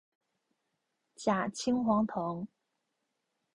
假青黄藤